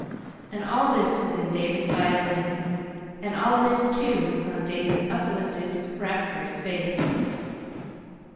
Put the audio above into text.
And all this was in David's violin, and all this, too, was on David's uplifted, rapturous face.